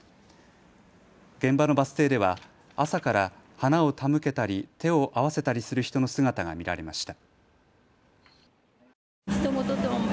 現場のバス停では朝から花を手向けたり、手を合わせたりする人の姿が見られました。